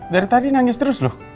dari tadi nangis terus loh